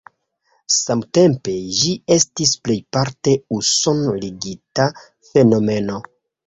Samtempe ĝi estis plejparte usono-ligita fenomeno.